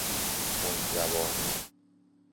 تندزبانی